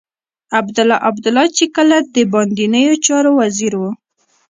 عبدالله عبدالله چې کله د باندنيو چارو وزير و.